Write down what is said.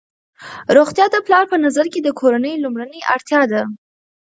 روغتیا د پلار په نظر کې د کورنۍ لومړنۍ اړتیا ده.